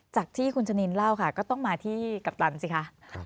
จากที่คุณชะนินเล่าค่ะก็ต้องมาที่กัปตันสิคะ